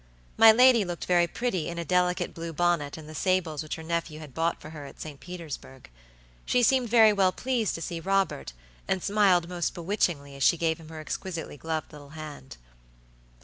My lady looked very pretty in a delicate blue bonnet and the sables which her nephew had bought for her at St. Petersburg. She seemed very well pleased to see Robert, and smiled most bewitchingly as she gave him her exquisitely gloved little hand.